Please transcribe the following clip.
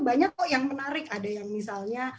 banyak kok yang menarik ada yang misalnya